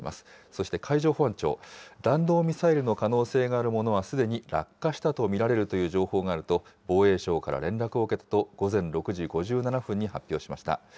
そして、海上保安庁、弾道ミサイルの可能性のあるものはすでに落下したと見られるという情報があると、防衛省から連絡を受けたと、午前６時５７分に発表しました。